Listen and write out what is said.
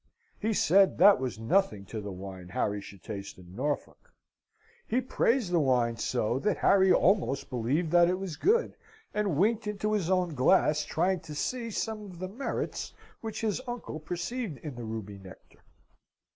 He said that was nothing to the wine Harry should taste in Norfolk. He praised the wine so, that Harry almost believed that it was good, and winked into his own glass, trying to see some of the merits which his uncle perceived in the ruby nectar.